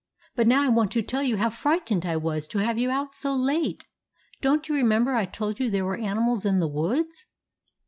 But now I want to tell you how frightened I was to have you out so late. Don't you remember I told you how there were animals in the woods